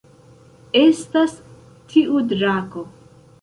Estas tiu drako